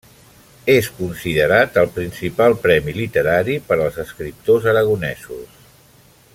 És considerat el principal premi literari per als escriptors aragonesos.